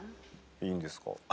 いいんですか？